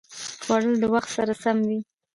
خوړل د وخت سره سم وي